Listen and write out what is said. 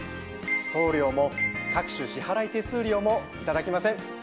送料も各種支払い手数料もいただきません。